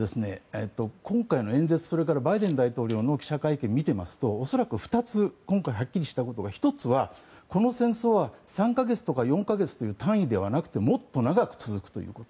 今回の演説それからバイデン大統領の記者会見を見ていますと恐らく２つ、今回はっきりしたことがあって１つはこの戦争は３か月とか４か月という単位ではなくてもっと長く続くということ。